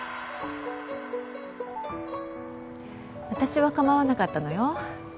私は構わなかったのよ